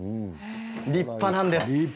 立派なんです。